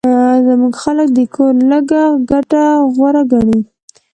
زموږ خلک د کور لږه ګټه غوره ګڼي